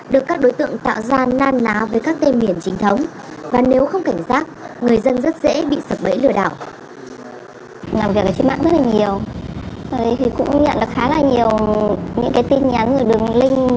được các đối tượng tạo ra nan ná với các tên miền trình thống